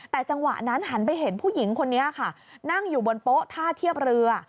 แต่จังหวะนั้นหันไปเห็นผู้หญิงคนนี้ค่ะนั่งอยู่บนโป๊ะท่าเทียบเรือ